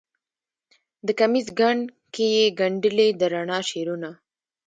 د کمیس ګنډ کې یې ګنډلې د رڼا شعرونه